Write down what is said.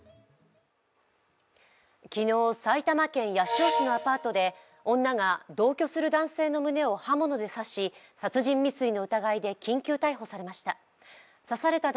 昨日、埼玉県八潮市のアパートで女が同居する男性の胸を刃物で刺し、殺人未遂の疑いで緊急逮捕されました。